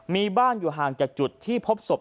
มีบ้านอยู่ห่างจากจุดที่พบศพ